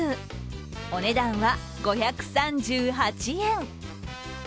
お値段は５３８円。